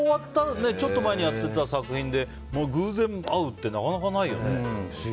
ちょっと前にやってた作品で偶然会うってなかなかないよね。